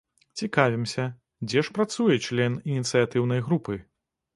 Цікавімся, дзе ж працуе член ініцыятыўнай групы.